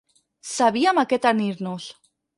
Sabíem a què atenir-nos.